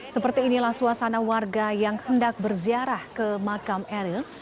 seperti inilah suasana warga yang hendak berziarah ke makam eril